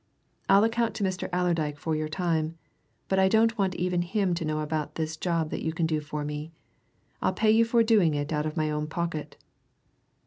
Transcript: I'll account to Mr. Allerdyke for your time, but I don't want even him to know about this job that you can do for me I'll pay you for doing it out of my own pocket."